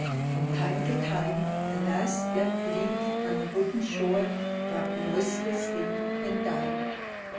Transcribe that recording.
From time to time a last left leaf on the wooded shore dropped noiselessly and died.